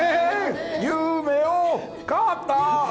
夢を語った。